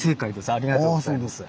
ありがとうございます。